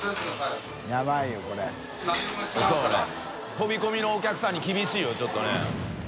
飛び込みのお客さんに厳しいよちょっとね。